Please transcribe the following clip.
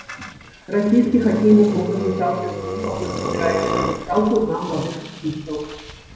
Расійскі хакейны клуб развітаўся з ім, паколькі збіраецца зрабіць стаўку на маладых хакеістаў.